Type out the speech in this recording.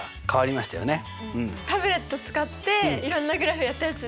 タブレット使っていろんなグラフをやったやつ。